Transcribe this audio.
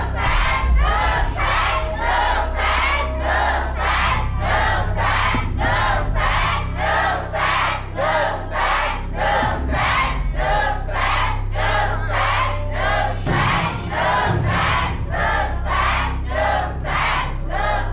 นึกสัตว์นึกสัตว์นึกสัตว์